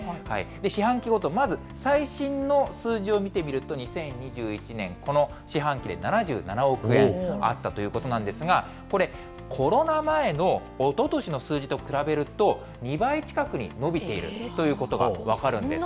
四半期ごと、まず最新の数字を見てみると、２０２１年、この四半期で７７億円あったということなんですが、これ、コロナ前のおととしの数字と比べると、２倍近くに伸びているということが分かるわけです。